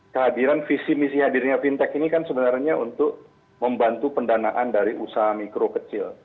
kehadiran visi misi hadirnya fintech ini kan sebenarnya untuk membantu pendanaan dari usaha mikro kecil